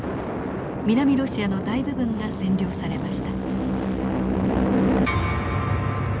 南ロシアの大部分が占領されました。